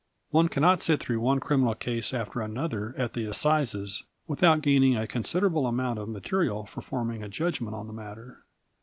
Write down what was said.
One cannot sit through one criminal case after another at the Assizes without gaining a considerable amount of material for forming a judgment on this matter.